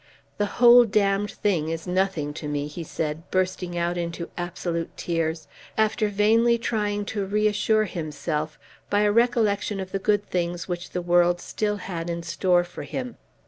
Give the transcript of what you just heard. "The whole damned thing is nothing to me," he said bursting out into absolute tears, after vainly trying to reassure himself by a recollection of the good things which the world still had in store for him.